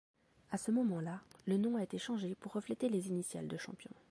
À ce moment-là, le nom a été changé pour refléter les initiales de Champion.